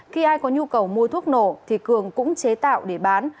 khi ai có nhu cầu mua thuốc nổ thì cường cũng chế tạo để bán